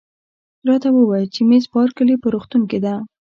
راته ووایاست چي مس بارکلي په روغتون کې ده؟